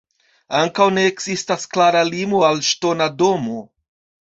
Ankaŭ ne ekzistas klara limo al ŝtona domo.